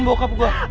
bokap gue gak ada